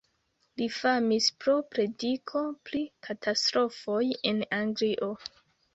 Li famis pro prediko pri katastrofoj en Anglio.